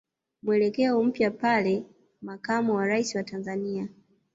mwelekeo mpya pale Makamo wa Rais wa Tanzania